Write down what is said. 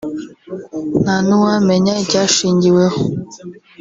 nta n’uwamenya icyashingiweho